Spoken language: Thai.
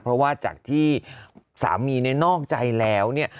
เพราะว่าจากที่สามีเนี่ยนอกใจแล้วเนี่ย